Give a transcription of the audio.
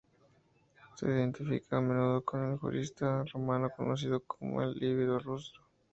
Se le identifica a menudo con el jurista romano conocido como C. Livio Druso.